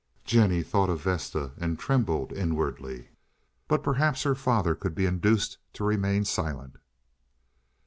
Jennie thought of Vesta, and trembled inwardly. But perhaps her father could be induced to remain silent.